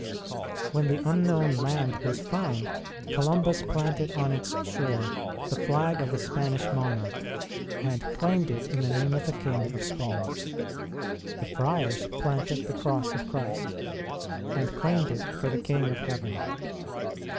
When the unknown land was found, Columbus planted on its shore the flag of the Spanish monarch, and claimed it in the name of the King of Spain ; the friars planted the Cross of Christ, and claimed it for the King of 12 INTRODUCTION heaven.